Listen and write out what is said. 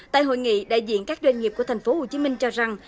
tại hội nghị đại diện các doanh nghiệp của tp hcm cho rằng